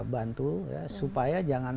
bantu supaya jangan